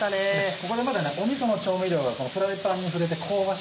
ここでまたみその調味料がフライパンに触れて香ばしく